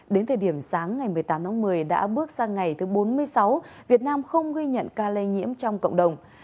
đến thời điểm sáng ngày một mươi tám tháng một mươi đã bước sang ngày thứ bốn mươi sáu việt nam không ghi nhận ca lây nhiễm trong cộng đồng